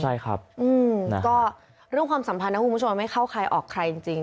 เรื่องความสัมพันธ์ไม่เข้าใครออกใครจริง